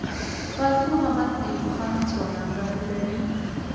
غازي محمد ایوب خان ځوانان راټولوي.